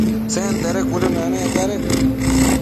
Sentede cuëdënanec cadec